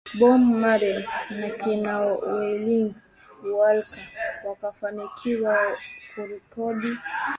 Bob Marley na kina Wailing Wailers wakafanikiwa kurekodi